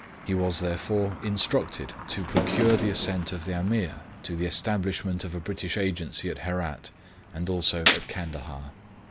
He was, therefore, instructed to procure the assent of the Ameer to the establishment of a British Agency at Herat, and also at Candahar.